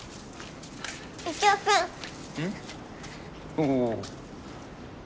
おお。